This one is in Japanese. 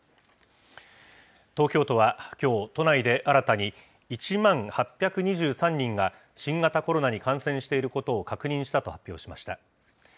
東京都はきょう、都内で新たに１万８２３人が新型コロナに感染していることを確認したと発表しました。